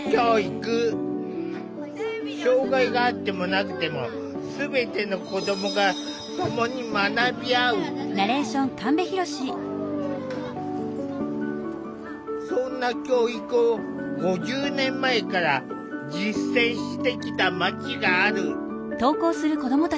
障害があってもなくても全ての子どもがそんな教育を５０年前から実践してきた町がある。